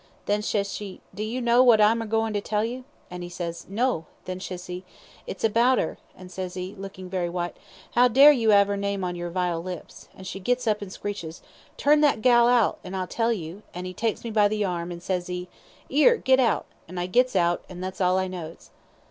Then ses she, 'Do you know what I'm a goin' to tell you?' an' 'e says, 'No.' Then she ses, 'It's about 'er;' and ses 'e, lookin' very white, ''Ow dare you 'ave 'er name on your vile lips?' an' she gits up an' screeches, 'Turn that gal out, an' I'll tell you;' an' 'e takes me by the arm, an' ses 'e, ''Ere git out,' an' I gits out, an' that's all I knows."